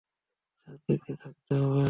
শান্তিতে থাকতে দে।